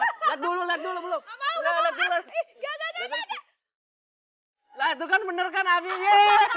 hai lakukan bener kan apinya